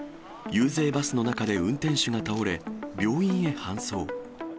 遊説バスの中で運転手が倒れ、病院へ搬送。